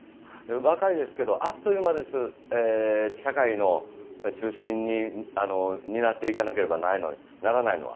若いですけど、あっという間です、社会の中心を担っていかなければならないのは。